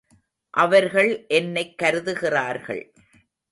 அவர்கள் என்னைக் கருதுகிறார்கள்.